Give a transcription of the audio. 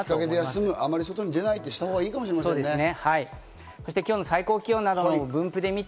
日陰で休む、あまり外に出ないということをしたほうがいいかもしれませんね。